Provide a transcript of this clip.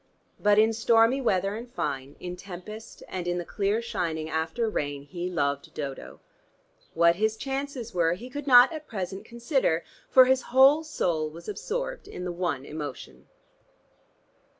But in stormy weather and fine, in tempest and in the clear shining after rain, he loved Dodo. What his chances were he could not at present consider, for his whole soul was absorbed in the one emotion.